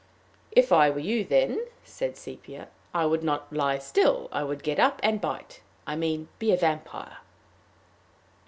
"If I were you, then," said Sepia, "I would not lie still; I would get up and bite I mean, be a vampire."